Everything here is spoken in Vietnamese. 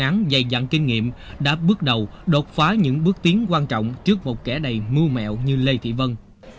cơ quan công an dày dặn kinh nghiệm đã bước đầu đột phá những bước tiến quan trọng trước một kẻ đầy mưa mẹo như lê thị vân